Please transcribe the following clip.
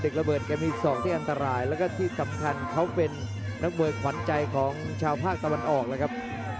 ระเบิดแกมีศอกที่อันตรายแล้วก็ที่สำคัญเขาเป็นนักมวยขวัญใจของชาวภาคตะวันออกแล้วครับ